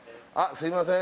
すいません